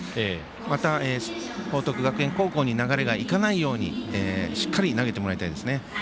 また、報徳学園高校に流れがいかないようにしっかり投げてもらいたいですね。